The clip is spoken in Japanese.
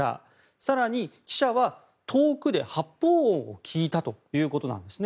更に、記者は遠くで発砲音を聞いたということです。